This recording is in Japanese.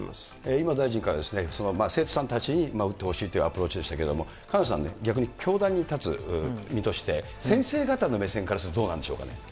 今、大臣から、生徒さんたちに打ってほしいというアプローチでしたけれども、萱野さんね、逆に教壇に立つ身として、先生方の目線からするとどうなんでしょうか。